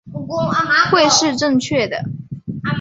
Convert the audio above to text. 会是正确的